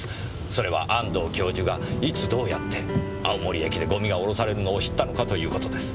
それは安藤教授がいつどうやって青森駅でゴミが降ろされるのを知ったのかという事です。